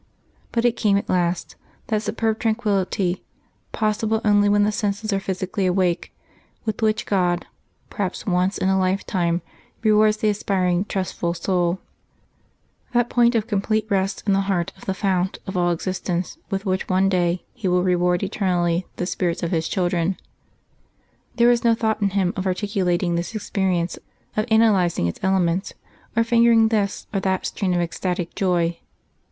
But it came at last that superb tranquillity, possible only when the senses are physically awake, with which God, perhaps once in a lifetime, rewards the aspiring trustful soul that point of complete rest in the heart of the Fount of all existence with which one day He will reward eternally the spirits of His children. There was no thought in him of articulating this experience, of analysing its elements, or fingering this or that strain of ecstatic joy.